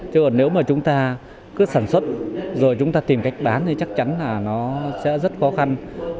chứ còn nếu mà chúng ta cứ sản xuất rồi chúng ta tìm cách bán thì chắc chắn là nó sẽ rất khó khăn